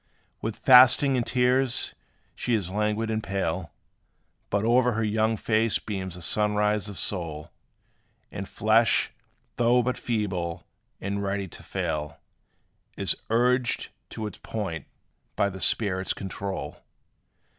With fasting and tears she is languid and pale; But o'er her young face beams the sunrise of soul; And flesh, though but feeble, and ready to fail, Is urged to its point by the spirit's control.